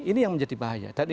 ini yang menjadi bahaya